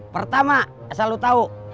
pertama asal lo tahu